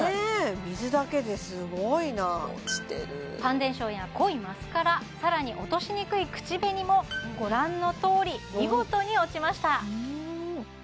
水だけですごいな落ちてるファンデーションや濃いマスカラ更に落としにくい口紅もご覧のとおり見事に落ちました